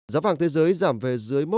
giá vàng thế giới giảm về giá